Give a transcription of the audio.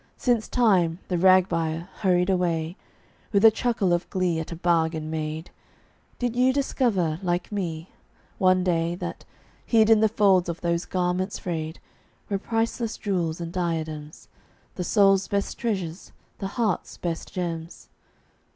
Since Time, the rag buyer, hurried away, With a chuckle of glee at a bargain made, Did you discover, like me, one day, That, hid in the folds of those garments frayed, Were priceless jewels and diadems The soul's best treasures, the heart's best gems?